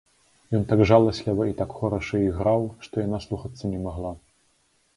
Ён так жаласліва і так хораша іграў, што я наслухацца не магла.